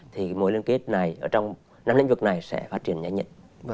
thì mối liên kết này ở trong năm lĩnh vực này sẽ phát triển nhanh nhất